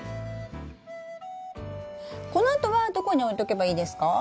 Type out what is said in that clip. このあとはどこに置いとけばいいですか？